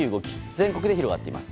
全国で広がっています。